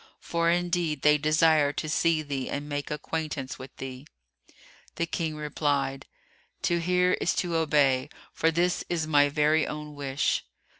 For indeed they desire to see thee and make acquaintance with thee." The King replied, "To hear is to obey, for this is my very own wish."